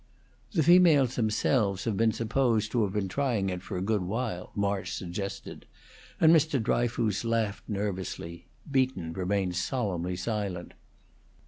"The females themselves have been supposed to have been trying it for a good while," March suggested; and Mr. Dryfoos laughed nervously; Beaton remained solemnly silent.